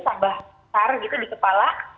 tambah duksar gitu di kepala